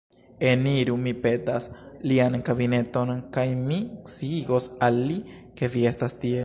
Eniru, mi petas, lian kabineton, kaj mi sciigos al li, ke vi estas tie.